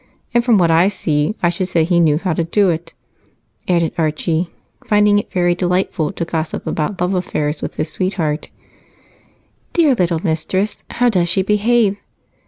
And from what I see, I should say he knew how to do it," added Archie, finding it very delightful to gossip about love affairs with his sweetheart. "Dear little mistress! How does she behave?"